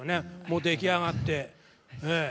もう出来上がってええ。